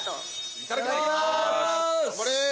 いただきます。